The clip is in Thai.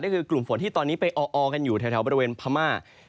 ก็คือกลุ่มฝนที่ตอนนี้ไปออกันอยู่แถวบริเวณพม่า